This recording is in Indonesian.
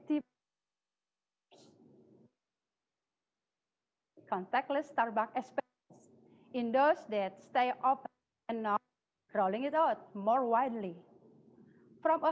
jika kita bisa pergi ke slide berikutnya karena saya tidak bisa melihat slide saya